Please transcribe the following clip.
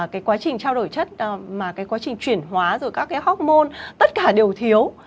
cái quá trình trao đổi chất mà cái quá trình chuyển hóa rồi các cái hóc môn tất cả đều thiếu